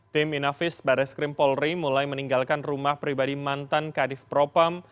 tim inavis barreskrim polri mulai meninggalkan rumah pribadi mantan kadif propam